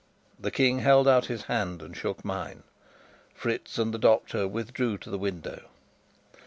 The King held out his hand and shook mine. Fritz and the doctor withdrew to the window.